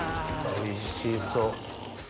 おいしそう。